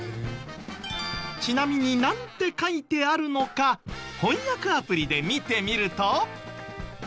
ちなみになんて書いてあるのか翻訳アプリで見てみると。